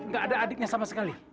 gak ada adiknya sama sekali